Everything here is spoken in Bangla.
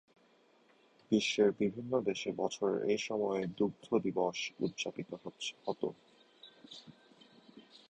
বিশ্বের বিভিন্ন দেশে বছরের এই সময়েই দুগ্ধ দিবস উদযাপিত হতো।